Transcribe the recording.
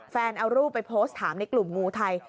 เอารูปไปโพสต์ถามในกลุ่มงูไทย